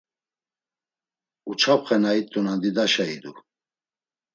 Uçapxe na it̆unan didaşa idu.